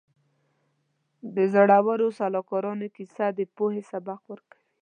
د زړورو سلاکارانو کیسه د پوهې سبق ورکوي.